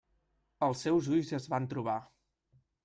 Els seus ulls es van trobar.